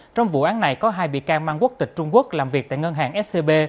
trong vụ án này có hai bị can mang quốc tịch trung quốc làm việc tại ngân hàng scb